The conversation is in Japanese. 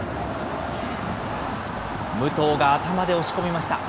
武藤が頭で押し込みました。